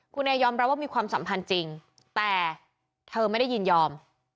คุณเอยอมรับว่ามีความสัมพันธ์จริงแต่เธอไม่ได้ยินยอม